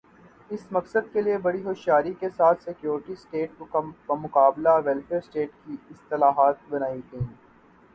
اس مقصد کے لئے بڑی ہوشیاری کے ساتھ سیکورٹی سٹیٹ بمقابلہ ویلفیئر سٹیٹ کی اصطلاحات بنائی گئیں۔